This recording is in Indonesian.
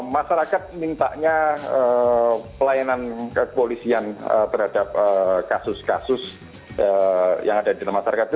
masyarakat mintanya pelayanan kepolisian terhadap kasus kasus yang ada di dalam masyarakat itu